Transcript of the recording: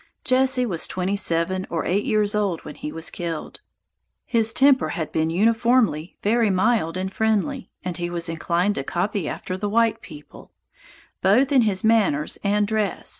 Jesse was twenty seven or eight years old when he was killed. His temper had been uniformly very mild and friendly; and he was inclined to copy after the white people; both in his manners and dress.